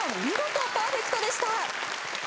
見事パーフェクトでした。